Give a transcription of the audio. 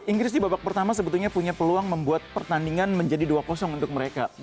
inggris di babak pertama sebetulnya punya peluang membuat pertandingan menjadi dua untuk mereka